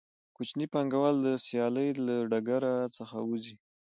کوچني پانګوال د سیالۍ له ډګر څخه وځي